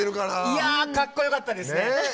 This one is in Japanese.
いやかっこよかったですね！